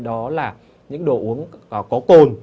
đó là những đồ uống có cồn